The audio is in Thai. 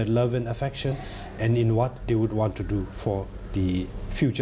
และที่ไม่ค่อยสงสัยตามินา